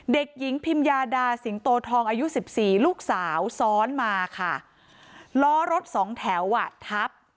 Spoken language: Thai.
เด็กหญิงพิมยาดาสิงโตทองอายุสิบสี่ลูกสาวซ้อนมาค่ะล้อรถสองแถวอ่ะทับ